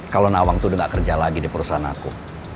kalau nawang tuh udah gak kerja lagi di perusahaan aku